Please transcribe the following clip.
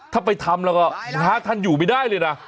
ถ้าไปทำแล้วก็พระท่านอยู่ไม่ได้เลยนะ